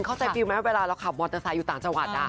เข้าใจฟิลลไหมเวลาเราขับมอเตอร์ไซค์อยู่ต่างจังหวัด